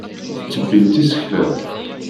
Tettebbimt isekla.